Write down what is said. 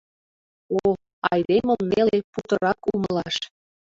О, айдемым неле путырак умылаш